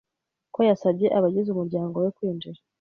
ko yasabye abagize umuryango we kwinjira